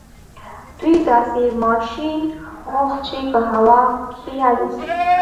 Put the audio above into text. دوی داسې ماشين غوښت چې په هوا کې الوځي.